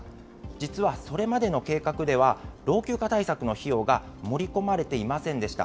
実はそれまでの計画では、老朽化対策の費用が盛り込まれていませんでした。